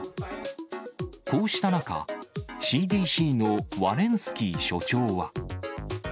こうした中、ＣＤＣのワレンスキー所長は。